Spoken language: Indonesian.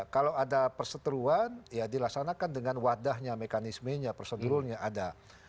kalau ada perseteruan ya dilaksanakan dengan wadahnya mekanismenya prosedurnya ada